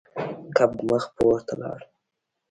کب مخ پورته لاړ.